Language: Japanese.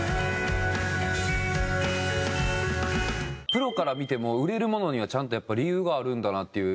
プロから見ても売れるものにはちゃんとやっぱり理由があるんだなっていう。